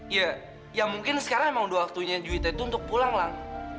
iya ya mungkin sekarang emang udah waktunya juite itu untuk pulang lah